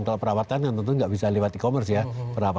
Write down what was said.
kalau perawatan tentunya nggak bisa lewat e commerce